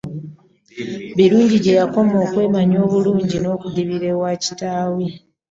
Birungi gye yakoma okwemanya obulungi n'okudibira ewa kitaawe.